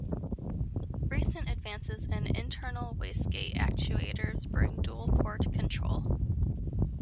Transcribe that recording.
Recent advances in internal wastegate actuators bring dual port control.